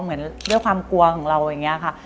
เหมือนด้วยความกลัวของเราอย่างนี้ค่ะ